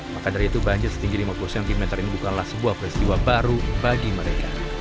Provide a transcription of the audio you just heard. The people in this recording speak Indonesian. maka dari itu banjir setinggi lima puluh cm ini bukanlah sebuah peristiwa baru bagi mereka